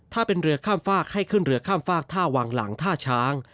ถ้าเป็นเรือข้ามฝากให้ขึ้นเรือข้ามฝากท่าวังหลังท่าช้าง